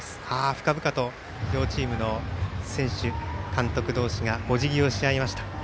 深々と両チームの選手監督同士がおじぎをし合いました。